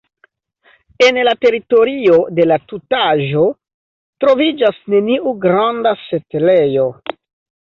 En la teritorio de la tutaĵo troviĝas neniu granda setlejo.